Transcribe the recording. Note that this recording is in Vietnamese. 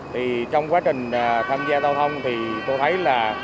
thì trong quá trình tham gia giao thông thì tôi thấy là